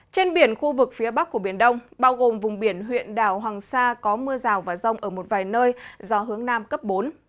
trên biển khu vực phía bắc của biển đông bao gồm vùng biển huyện đảo hoàng sa có mưa rào và rông ở một vài nơi gió hướng nam cấp bốn